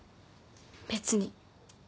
別に。